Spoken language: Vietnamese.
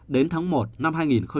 đến tháng một năm hai nghìn hai mươi hai